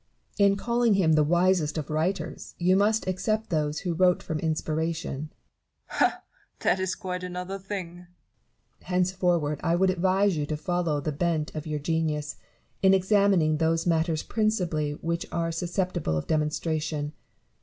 Barrow. In calling him the wisest of writers, you must except those who wrote from inspiration. Newton. Ha ! that is quite another thing. Barrow. Henceforward I would advise you to follow the bent of your genius, in examining those matters principally which are susceptible of demonstration.